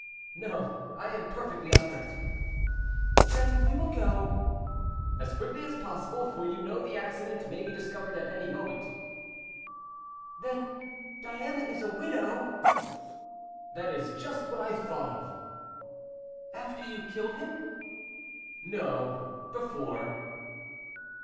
"No, I am perfectly unhurt." "Then, we will go." "As quickly as possible, for you know the accident may be discovered at any moment." "Then Diana is a widow." "That is just what I thought of." "After you killed him?" "No, before."